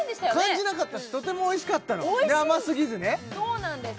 感じなかったしとてもおいしかったの甘すぎずねおいしいそうなんです